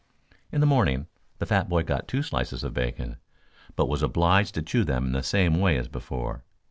In the morning the fat boy got two slices of bacon, but was obliged to chew them in the same way as before.